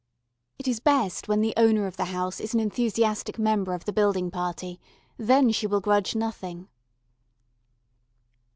It is best when the owner of the house is an enthusiastic member of the building party; then she will grudge nothing.